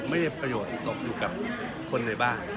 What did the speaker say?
ไม่ได้ประโยชน์ตกอยู่กับคนในบ้าน